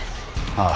ああ。